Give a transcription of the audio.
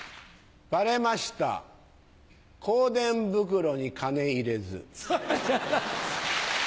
バレました香典袋に金入れず。